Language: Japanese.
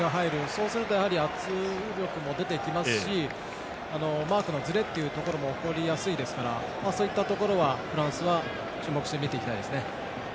そうすると圧力も出てきますしマークのずれも起こりやすいですからそういったところは、フランスは注目して見ていきたいですね。